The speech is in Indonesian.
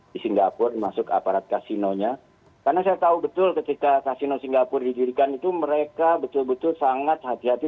di singapura masuk aparat kasinonya karena saya tahu betul ketika kasino singapura didirikan itu mereka betul betul sangat hati hati